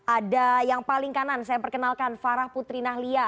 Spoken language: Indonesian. ada yang paling kanan saya perkenalkan farah putri nahlia